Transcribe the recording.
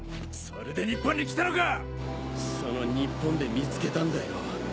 それで日本に来たのか⁉その日本で見つけたんだよ。